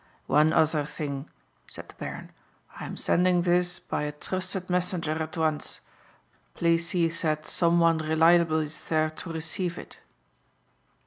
"One other thing," said the Baron, "I am sending this by a trusted messenger at once. Please see that some one reliable is there to receive it."